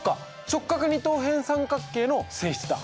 直角二等辺三角形の性質だ。